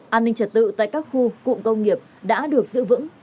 an ninh trật tự tại các khu cụm công nghiệp đã được giữ vững